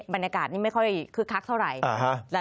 บรรยากาศนี้ไม่ค่อยคึกคักเท่าไหร่